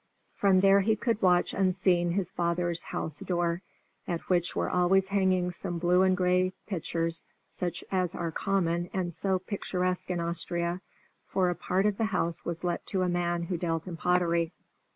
From there he could watch unseen his father's house door, at which were always hanging some blue and gray pitchers, such as are common and so picturesque in Austria, for a part of the house was let to a man who dealt in pottery.